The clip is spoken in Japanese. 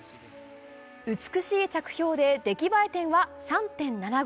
美しい着氷で出来栄え点は３．７５。